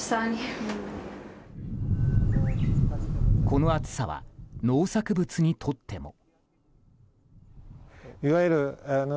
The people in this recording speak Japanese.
この暑さは農作物にとっても。